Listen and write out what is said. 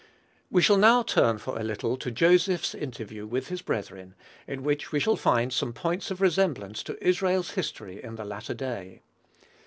We shall now turn for a little to Joseph's interview with his brethren, in which we shall find some points of resemblance to Israel's history in the latter day.